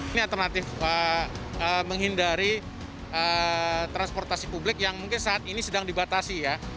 ini alternatif menghindari transportasi publik yang mungkin saat ini sedang dibatasi ya